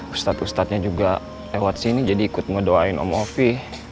ustadz ustadznya juga lewat sini jadi ikut ngedoain om ovi